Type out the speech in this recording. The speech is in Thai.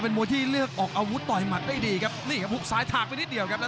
ปักด้วยศอกซ้ายครับ